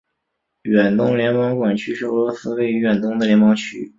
远东联邦管区是俄罗斯位于远东的联邦区。